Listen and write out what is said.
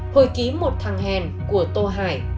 hồi ký một thằng hèn của tô hải